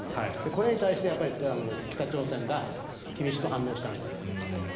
これに対して北朝鮮が厳しく反応したんだと思います。